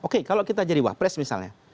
oke kalau kita jadi wapres misalnya